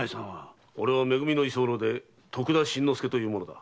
俺は「め組」の居候で徳田新之助という者だ。